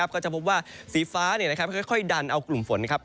ก็จะพบว่าสีฟ้าค่อยดันเอากลุ่มฝน